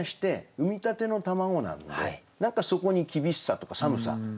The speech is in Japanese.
産みたての卵なので何かそこに厳しさとか寒さ